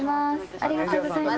ありがとうございます。